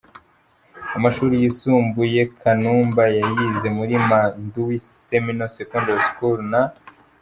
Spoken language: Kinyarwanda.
Amashuri yisumbuye Kanumba yayize muri Mwadui Seminary Secondary School na.